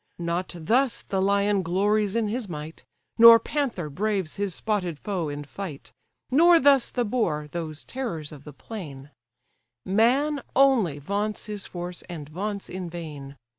Not thus the lion glories in his might, Nor panther braves his spotted foe in fight, Nor thus the boar (those terrors of the plain;) Man only vaunts his force, and vaunts in vain.